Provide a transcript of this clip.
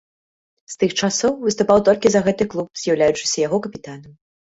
З тых часоў выступаў толькі за гэты клуб, з'яўляючыся яго капітанам.